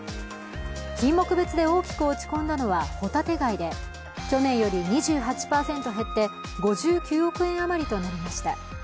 品目別で大きく落ち込んだのはホタテ貝で去年より２８％減って５９億円余りとなりました。